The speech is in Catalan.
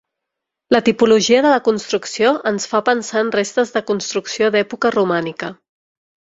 La tipologia de la construcció ens fa pensar en restes de construcció d'època romànica.